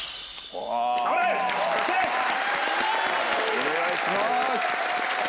お願いします。